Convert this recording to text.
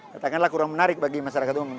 katakanlah kurang menarik bagi masyarakat umum